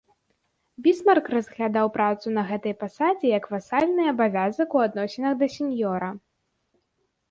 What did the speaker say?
Бісмарк разглядаў працу на гэтай пасадзе як васальны абавязак у адносінах да сеньёра.